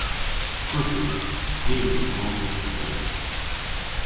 Gwrussyn. Ni a wrug mos yn kyttrin.